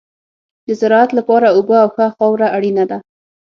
د زراعت لپاره اوبه او ښه خاوره اړینه ده.